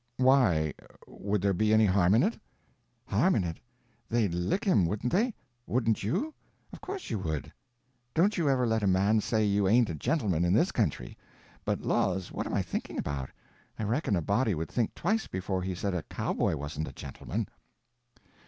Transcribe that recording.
"Why—would there be any harm in it?" "Harm in it? They'd lick him, wouldn't they? Wouldn't you? Of course you would. Don't you ever let a man say you ain't a gentleman in this country. But laws, what am I thinking about? I reckon a body would think twice before he said a cowboy wasn't a gentleman."